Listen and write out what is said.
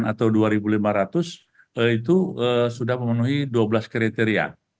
atau dua lima ratus itu sudah memenuhi dua belas kriteria